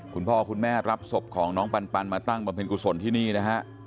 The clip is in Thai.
คุณพ่อคุณแม่รับศพของน้องปันมาตั้งบำเพ็ญกุศลที่นี่นะฮะ